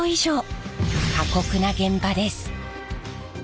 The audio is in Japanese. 過酷な現場です。